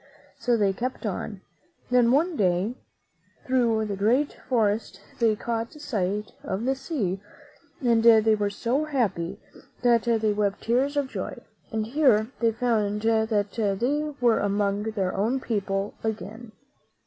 So they kept on. Then one day, through the great forest they caught sight of the sea, and they were so happy that they wept tears of joy; and here they found that they were among their own people again.